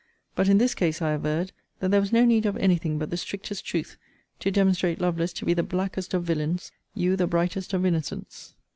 but in this case, I averred, that there was no need of any thing but the strictest truth, to demonstrate Lovelace to be the blackest of villains, you the brightest of innocents.